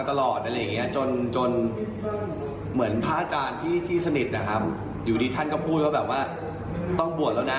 คือตอนนี้ก็คนคุยแบบไหนแหละ